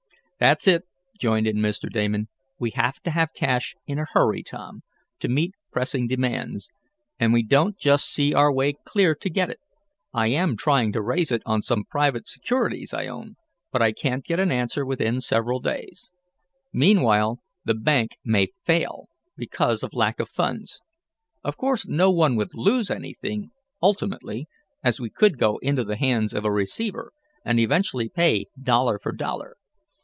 "That's it," joined in Mr. Damon. "We have to have cash in a hurry, Tom, to meet pressing demands, and we don't just see our way clear to get it. I am trying to raise it on some private securities I own, but I can't get an answer within several days. Meanwhile the bank may fail, because of lack of funds. Of course no one would lose anything, ultimately, as we could go into the hands of a receiver, and, eventually pay dollar for dollar.